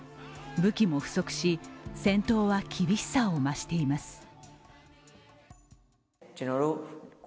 武器も不足し、戦闘は厳しさを増しています。